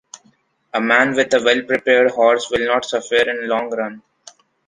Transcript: A man with a well prepared horse will not suffer in long run.